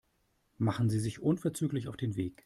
Machen Sie sich unverzüglich auf den Weg.